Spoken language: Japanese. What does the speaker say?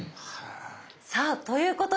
さあということで。